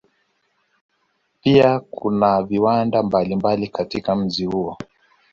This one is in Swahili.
Pia kuna viwanda mbalimbali katika mji huo.